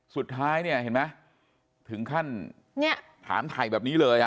สุดท้ายเนี่ยเห็นไหมถึงขั้นเนี่ยถามถ่ายแบบนี้เลย